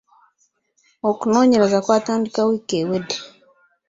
Okunoonyereza kw'atandika wiiki ewedde.